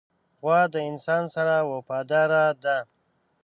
غوا د انسان سره وفاداره ده.